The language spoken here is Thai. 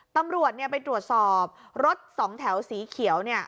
ตำรวจเนี่ยไปตรวจสอบรถสองแถวสีเขียวเนี่ย